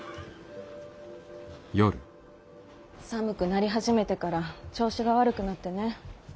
寒くなり始めてから調子が悪くなってねぇ。